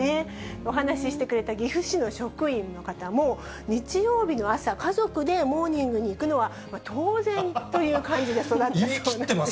お話してくれた岐阜市の職員の方も日曜日の朝、家族でモーニングに行くのは、当然という感じで育ったそうなんです。